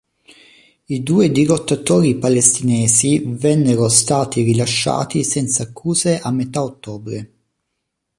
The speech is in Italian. I due dirottatori palestinesi vennero stati rilasciati senza accuse a metà ottobre.